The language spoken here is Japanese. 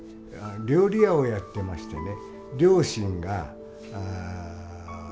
料理屋をやってましてね